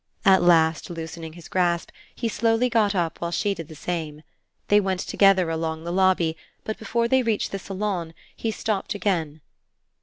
At last, loosening his grasp, he slowly got up while she did the same. They went together along the lobby, but before they reached the salon he stopped again.